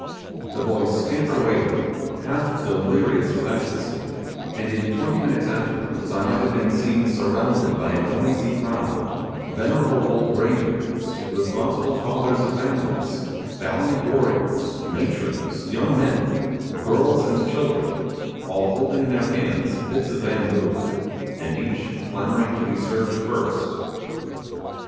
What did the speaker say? The boy scampered away with it, half delirious with ecstasy, and in twenty minutes afterwards I might have been seen surrounded by a noisy crowd venerable old graybeards responsible fathers of families valiant warriors matrons young men girls and children, all holding in their hands bits of bamboo, and each clamouring to be served first.